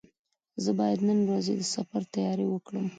زه باید د نن ورځې د سفر تیاري وکړم.